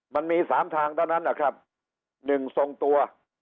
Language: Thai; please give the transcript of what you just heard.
มันมี๓ทางเท่านั้นนะครับ๑ทรงตัว